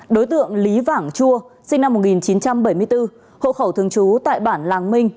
đối tượng lý vảng chua sinh năm một nghìn chín trăm bảy mươi bốn hộ khẩu thường trú tại bản làng minh